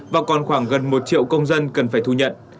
và còn khoảng gần một triệu công dân cần phải thu nhận